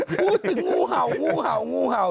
พูดถึงงูเห่างูเห่างูเห่า